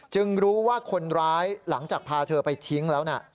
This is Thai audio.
รู้ว่าคนร้ายหลังจากพาเธอไปทิ้งแล้วนะ